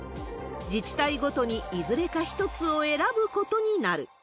自治体ごとにいずれか一つを選ぶことになる。